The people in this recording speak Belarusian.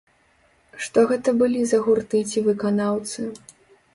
Што гэта былі за гурты ці выканаўцы?